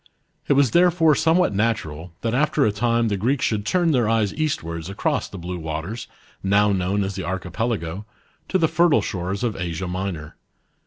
It was therefore somewhat natural, that after a time the Greeks should turn their eyes eastwards across the blue waters, now known as the Archi pelago, to the fertile shores of Asia Minor.